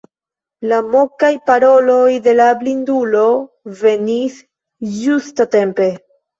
La mokaj paroloj de la blindulo venis ĝustatempe.